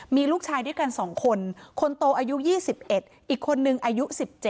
มีลูกชายด้วยกัน๒คนคนโตอายุ๒๑อีกคนนึงอายุ๑๗